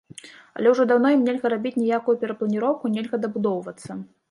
Але ўжо даўно ім нельга рабіць ніякую перапланіроўку, нельга дабудоўвацца.